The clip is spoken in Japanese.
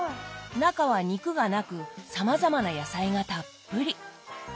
中は肉がなくさまざまな野菜がたっぷり。